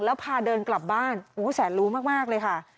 แล้วพาเดินกลับบ้านแสนรู้มากเลยค่ะ